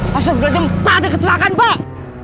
masuklah jempa ada kecelakaan pak